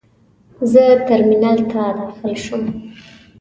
زه ترمینل ته داخل شوم.